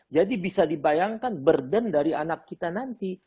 jadi bisa dibayangkan burden dari anak kita nanti